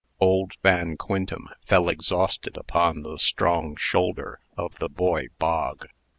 Old Van Quintem fell exhausted upon the strong shoulder of the boy Bog.